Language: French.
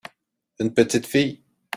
une petite fille.